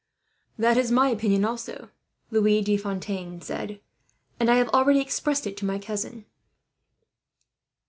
"That is my opinion also," Louis de Fontaine said, "and I have already expressed it to my cousin."